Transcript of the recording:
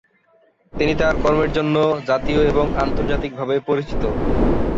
তিনি তার কর্মের জন্য জাতীয় এবং আন্তর্জাতিকভাবে পরিচিত।